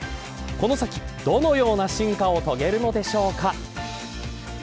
この先どのような進化を遂げるのでしょうか。